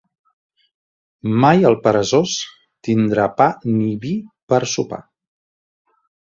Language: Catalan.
Mai el peresós tindrà pa ni vi per a sopar.